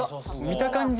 見た感じ